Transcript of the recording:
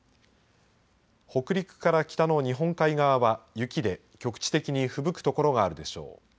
北陸から北の日本海側は雪で、局地的にふぶく所があるでしょう。